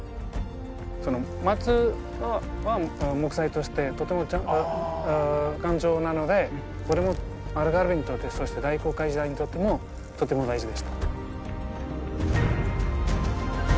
松は木材としてとても丈夫頑丈なのでこれもアルガルヴェにとってそして大航海時代にとってもとても大事でした。